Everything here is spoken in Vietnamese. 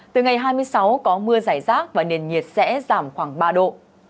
từ ngày hai mươi sáu có mưa giải rác và nền nhiệt sẽ giảm khoảng ba độ